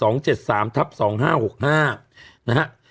นะฮะ